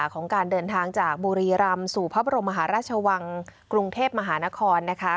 ของการเดินทางจากบุรีรำสู่พระบรมมหาราชวังกรุงเทพมหานครนะคะ